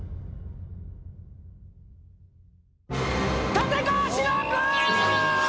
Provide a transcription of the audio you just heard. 立川志らく！